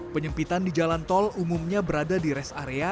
penyempitan di jalan tol umumnya berada di rest area